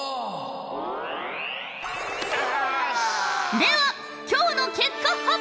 では今日の結果発表！